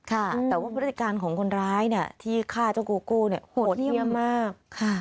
แต่ว่าบริษัทการณ์ของคนร้ายที่ฆ่าเจ้าโกโก้โหเที่ยมมาก